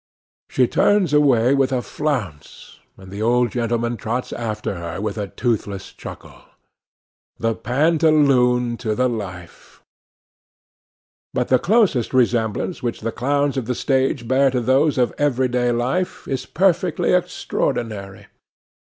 She turns away with a flounce, and the old gentleman trots after her with a toothless chuckle. The pantaloon to the life! But the close resemblance which the clowns of the stage bear to those of every day life is perfectly extraordinary.